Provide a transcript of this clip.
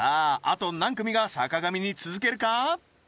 あと何組が坂上に続けるか？